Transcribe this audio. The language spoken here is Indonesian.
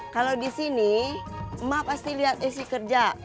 kalau di sini ma pasti lihat esy kerja